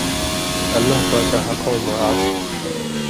اللہ پاکاں حقؤں مہ عَف تھی